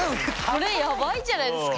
これやばいんじゃないですか？